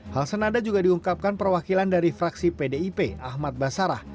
hal senada juga diungkapkan perwakilan dari fraksi pdip ahmad basarah